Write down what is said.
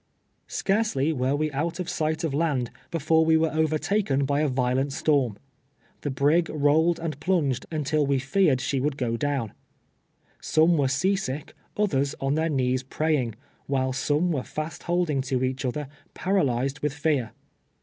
Scarcely were we out of sight of land before we bS TWELVE TE^VES A SLATE. were nvertalccn liy a violent storm. The l)rig rolled and plunged imtil we feared she would go down. Sonic were sea sick, others on their knees praying, while sonic were fast liolding to each other, paralyzed with fear.